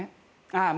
ああ。